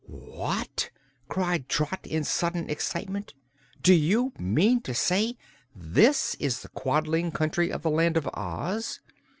"What!" cried Trot, in sudden excitement. "Do you mean to say this is the Quadling Country of the Land of Oz?"